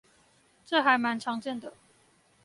這還蠻常見的